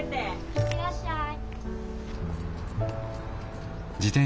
・行ってらっしゃい。